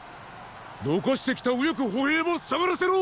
残してきた右翼歩兵も退がらせろ！